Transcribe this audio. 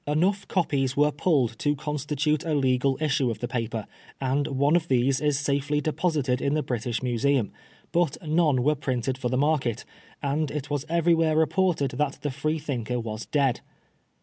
Enough copies were pulled to constitute a legal issue of the paper, and one of these is safely deposited in the British Museum ; but none were printed for the market, and it was everywhere reported that the Free thinker was dead.